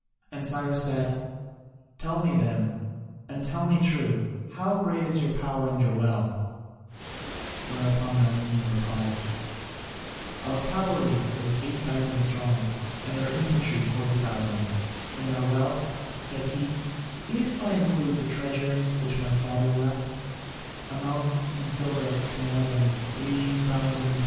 And Cyrus said, "Tell me then, and tell me true: how great is your power and your wealth?" Whereupon the Armenian replied: "Our cavalry is 8000 strong and our infantry 40,000; and our wealth," said he, "if I include the treasures which my father left, amounts in silver to more than 3000 talents."